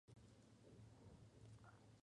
El sábado siguiente la visión se repitió.